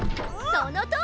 そのとおり！